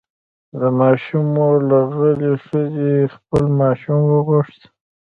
د ماشوم مور له غلې ښځې خپل ماشوم وغوښت.